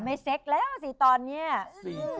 เซ็กแล้วสิตอนนี้